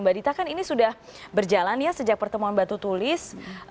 mbak dita kan ini sudah berjalan ya sejak pertemuan batu tulis